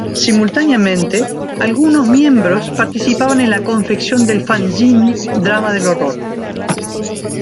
Simultáneamente, algunos miembros participaban en la confección del fanzine "Drama del Horror".